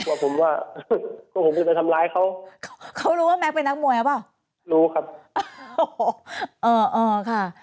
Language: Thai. ว่าผมว่าพวกผมจะไปทำร้ายเขาเขารู้ว่าแก๊กเป็นนักมวยหรือเปล่ารู้ครับเอ่อค่ะ